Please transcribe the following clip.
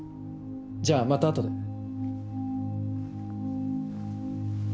じゃあまた後で。